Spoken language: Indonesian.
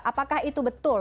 apakah itu betul